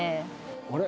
あれ？